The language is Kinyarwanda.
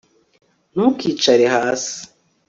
Ntukicare hasi